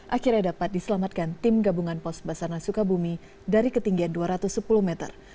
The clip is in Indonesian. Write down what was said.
akhirnya dapat diselamatkan tim gabungan pos basarnas sukabumi dari ketinggian dua ratus sepuluh meter